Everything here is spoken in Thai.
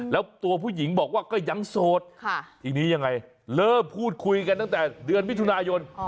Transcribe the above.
แล้วตัวผู้หญิงบอกว่าก็ยังโสดทีนี้ยังไงเริ่มพูดคุยกันตั้งแต่เดือนมิถุนายน